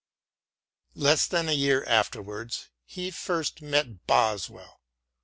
Less than a year afterwards he first met Boswell.